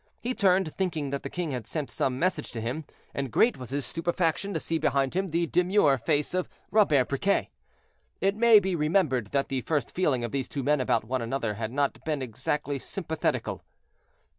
He turned, thinking that the king had sent some message to him, and great was his stupefaction to see behind him the demure face of Robert Briquet. It may be remembered that the first feeling of these two men about one another had not been exactly sympathetical.